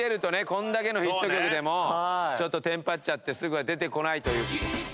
これだけのヒット曲でもちょっとテンパっちゃってすぐは出てこないという。